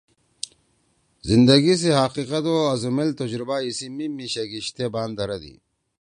زندگی سی حقیقت او آزُومیل تجربہ ایِسی میِم می شیگیِشتے بان دھرَدی